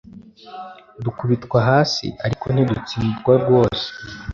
dukubitwa hasi ariko ntidutsindwa rwose.